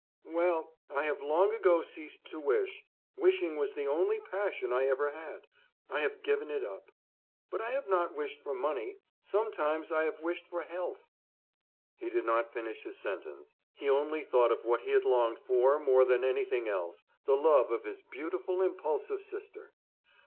"Well, I have long ago ceased to wish; wishing was the only passion I ever had; I have given it up. But I have not wished for money; sometimes I have wished for health—" He did not finish his sentence; he only thought of what he had longed for more than anything else, the love of his beautiful, impulsive sister.